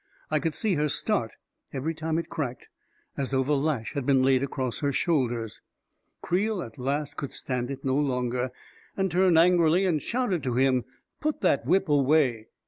I could see her start, every time it cracked, as though the lash had been laid across her shoulders. Creel, at last, could stand it no longer, and turned angrily and shouted to him to put the whip away.